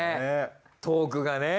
トークがね。